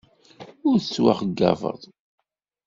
Ur tettwaxeyyabeḍ.